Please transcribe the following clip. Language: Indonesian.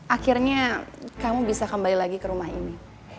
akhirnya kamu bisa kembali lagi ke rumah ini